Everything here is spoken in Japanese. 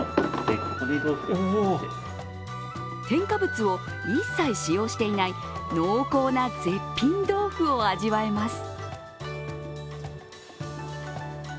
添加物を一切使用していない濃厚な絶品豆腐を味わえます。